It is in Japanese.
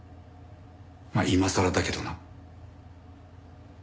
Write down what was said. まあ今さらだけどな。